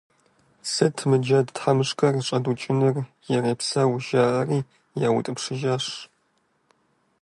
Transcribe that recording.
– Сыт мы джэд тхьэмыщкӀэр щӀэдукӀынур, ирепсэу, – жаӀэри яутӀыпщыжащ.